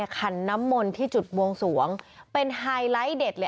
ขันน้ำมนต์ที่จุดบวงสวงเป็นไฮไลท์เด็ดเลย